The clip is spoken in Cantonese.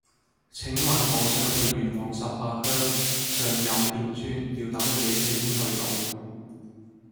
請問我想去元朗十八鄉上攸田村要搭乜嘢車先去到